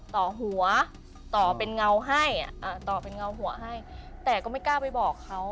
ต่อหัวต่อเป็นเงาหัวให้แต่ก็ไม่กล้าไปบอกเขา